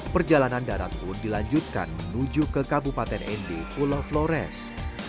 perjalanan darat pun dilanjutkan menuju ke kabupaten nd pulau flores